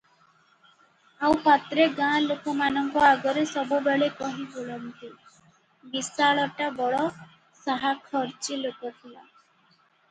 ଆଉ ପାତ୍ରେ ଗାଁ ଲୋକମାନଙ୍କ ଆଗରେ ସବୁବେଳେ କହି ବୁଲନ୍ତି, "ବିଶାଳଟା ବଡ ସାହାଖର୍ଚ୍ଚି ଲୋକ ଥିଲା ।